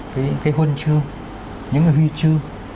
những cái huân chư những cái huy chư